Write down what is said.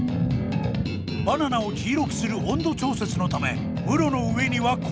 バナナを黄色くする温度調節のため室の上には氷。